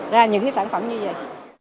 ra những sản phẩm như vậy